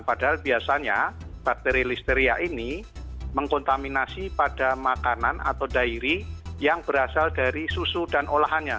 padahal biasanya bakteri listeria ini mengkontaminasi pada makanan atau dairi yang berasal dari susu dan olahannya